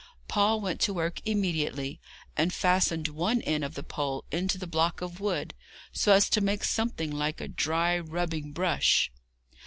Paul went to work immediately, and fastened one end of the pole into the block of wood, so as to make something like a dry rubbing brush.